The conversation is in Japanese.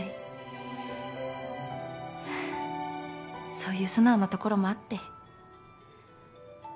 そういう素直なところもあって。